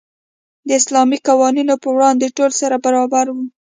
د اسلامي قوانینو په وړاندې ټول سره برابر وو.